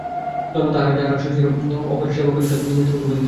ধন্য তাহারা, যাহাদের শরীর অপরের সেবা করিতে করিতে মৃত্যুমুখে পতিত হয়।